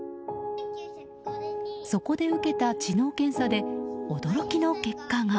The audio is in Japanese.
そこで受けた知能検査で驚きの結果が。